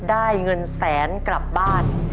ได้เงินแสนกลับบ้าน